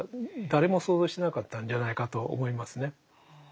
誰も想像してなかったんじゃないかと思いますね。